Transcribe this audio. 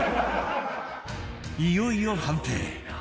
いよいよ判定